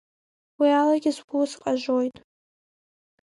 Уиалагьы сгәы сҟажоит.